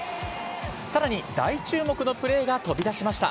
さらに、大注目のプレーが飛び出しました。